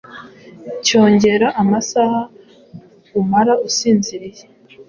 cyongera amasaha umara usinziriye